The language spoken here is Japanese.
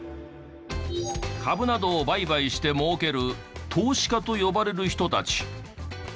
株などを売買して儲ける投資家と呼ばれる人たち。